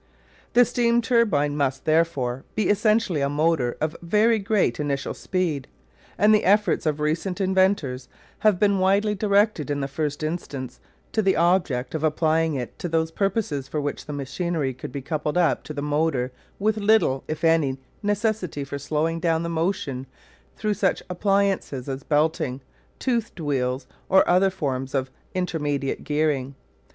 The steam turbine must, therefore, be essentially a motor of very great initial speed; and the efforts of recent inventors have been wisely directed in the first instance to the object of applying it to those purposes for which machinery could be coupled up to the motor with little, if any, necessity for slowing down the motion through such appliances as belting, toothed wheels, or other forms of intermediate gearing.